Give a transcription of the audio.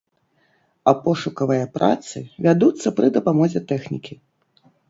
А пошукавыя працы вядуцца пры дапамозе тэхнікі.